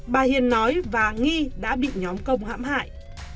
bà hiền nói và nghi đã bị nhóm công hãm hại